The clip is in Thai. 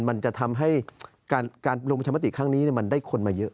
มันจะทำให้การลงประชามติครั้งนี้มันได้คนมาเยอะ